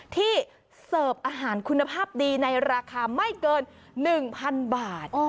ที่เสิร์ฟอาหารคุณภาพดีในราคาไม่เกิน๑๐๐๐บาท